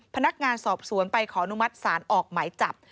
พนักงานสอบสวนไปขออนุมัติศาลออกหมายจับ